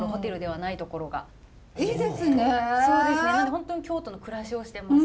本当に京都の暮らしをしてます。